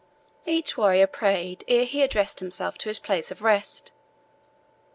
Each warrior prayed ere he addressed himself to his place of rest.